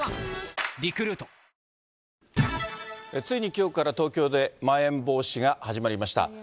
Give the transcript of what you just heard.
ついにきょうから東京で、まん延防止が始まりました。